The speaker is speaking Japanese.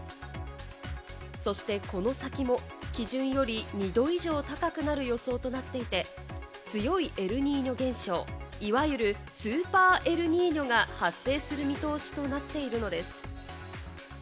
そしてこの先も基準より２度以上高くなる予想となっていて、強いエルニーニョ現象、いわゆるスーパーエルニーニョが発生する見通しとなっているのです。